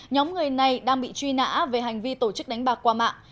nhóm người này đang bị truy nã về hành vi tổ chức đánh bạc qua mạng